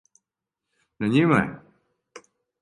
На њима је.